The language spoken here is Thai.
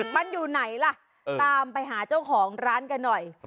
มันอยู่ไหนล่ะตามไปหาเจ้าของร้านกันหน่อย